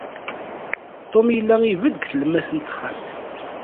Tom yella ibedd deg tlemmast n texxamt.